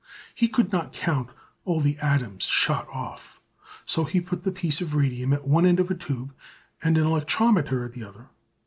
He could not count all the atoms shot off, so he put the piece of radium at one end of a tube and an electrometer at the other.